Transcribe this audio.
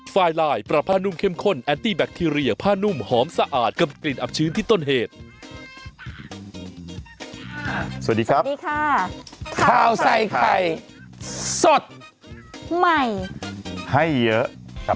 สวัสดีครับสวัสดีค่ะข้าวใส่ไข่สดใหม่ให้เยอะ